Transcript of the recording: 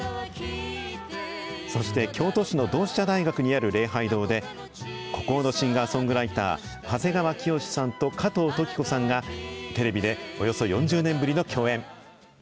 そして京都市の同志社大学にある礼拝堂で、孤高のシンガーソングライター、長谷川きよしさんと加藤登紀子さんが、テレビでおよそ４０年ぶりの共演。